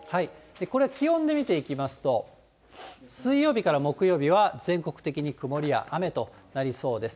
これ、気温で見ていきますと、水曜日から木曜日は、全国的に曇りや雨となりそうです。